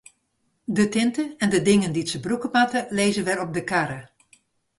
De tinte en de dingen dy't se brûke moatte, lizze wer op de karre.